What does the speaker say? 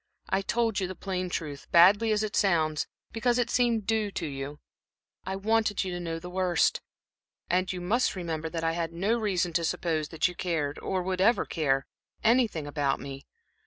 I told you the plain truth, badly as it sounds, because it seemed due to you I wanted you to know the worst. And you must remember that I had no reason to suppose that you cared, or would ever care, anything about me.